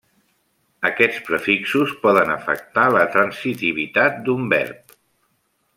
Aquests prefixos poden afectar la transitivitat d'un verb.